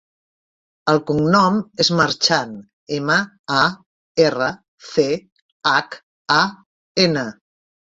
El cognom és Marchan: ema, a, erra, ce, hac, a, ena.